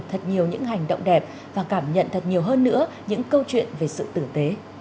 thật nhiều những hành động đẹp và cảm nhận thật nhiều hơn nữa những câu chuyện về sự tử tế